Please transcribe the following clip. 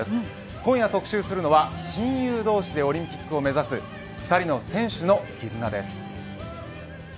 今夜特集するのは親友同士でオリンピックを目指す２人の選手のきずなです。